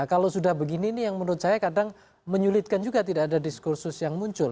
kalau sudah begini ini yang menurut saya kadang menyulitkan juga tidak ada diskursus yang muncul